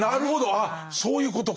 あっそういうことか。